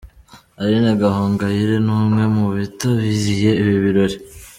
Aline Gahongayire ni umwe mu bitabiriye ibi birori.